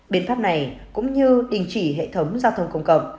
biện pháp này cũng như đình chỉ hệ thống giao thông công cộng